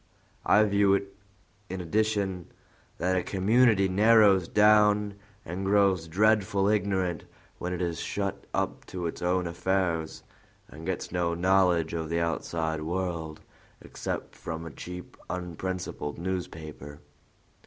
I view it, in addition, that a community narrows down and grows dreadful ignorant when it is shut up to its own affairs, and gets no knowledge of the outside world except from a cheap, unprincipled newspaper.